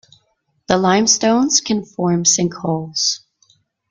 The limestones can form sinkholes.